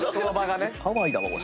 ハワイだわこれ。